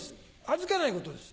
預けないことです